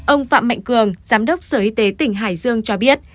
ông phạm mạnh cường giám đốc sở y tế tỉnh hải dương cho biết